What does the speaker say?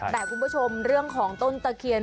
แต่คุณผู้ชมเรื่องของต้นตะเคียน